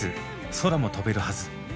「空も飛べるはず」。